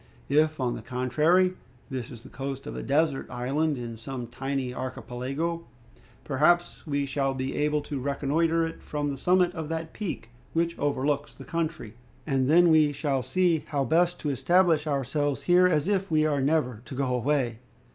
If, on the contrary, this is the coast of a desert island in some tiny archipelago, perhaps we shall be able to reconnoiter it from the summit of that peak which overlooks the country, and then we shall see how best to establish ourselves here as if we are never to go away."